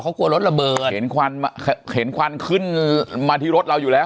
เขากลัวรถระเบิดเห็นควันเห็นควันขึ้นมาที่รถเราอยู่แล้ว